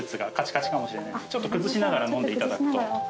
ちょっと崩しながら飲んでいただくと。